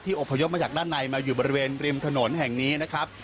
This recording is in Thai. อบพยพมาจากด้านในมาอยู่บริเวณริมถนนแห่งนี้นะครับ